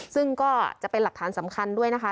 ซึ่งก็จะเป็นหลักฐานสำคัญด้วยนะคะ